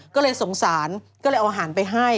ก็เลยสงสารก็เลยเอาอาหารไปให้